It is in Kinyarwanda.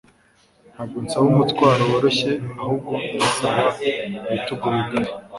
Ntabwo nsaba umutwaro woroshye ahubwo ndasaba ibitugu bigari